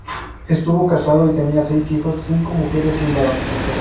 Estuvo casado y tenía seis hijos, cinco mujeres y un varón.